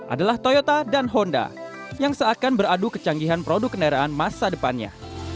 adalah toyota dan honda yang seakan beradu kecanggihan produk kendaraan masa depannya